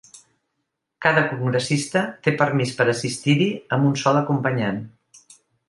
Cada congressista té permís per a assistir-hi amb un sol acompanyant.